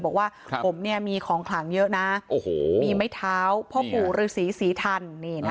บอกว่าผมเนี่ยมีของขลังเยอะนะมีไม้เท้าพ่อผูหรือศรีศรีทัน